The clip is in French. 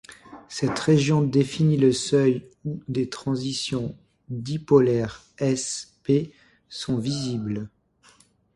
Cette région définit le seuil où des transitions dipolaires s-p sont visibles.